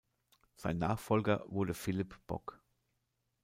Sein Nachfolger wurde Philipp Bock.